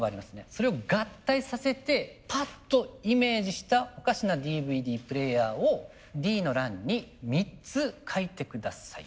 それを合体させてパッとイメージしたおかしなＤＶＤプレーヤーをＤの欄に３つ書いて下さい。